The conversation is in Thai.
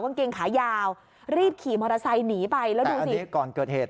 งเกงขายาวรีบขี่มอเตอร์ไซค์หนีไปแล้วดูสินี่ก่อนเกิดเหตุ